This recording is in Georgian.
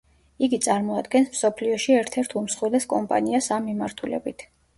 იგი წარმოადგენს მსოფლიოში ერთ-ერთ უმსხვილეს კომპანიას ამ მიმართულებით.